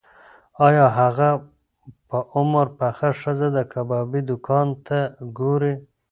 ایا هغه په عمر پخه ښځه د کبابي دوکان ته ګوري؟